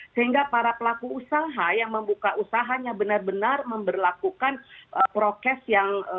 sehingga para pelaku usaha yang membuka usahanya benar benar memperlakukan prokes yang